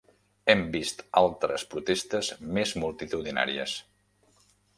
Hem vist altres protestes més multitudinàries.